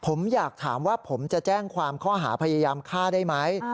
ผมอยากถามว่าผมจะแจ้งความข้อหาพยายามฆ่าได้ไหม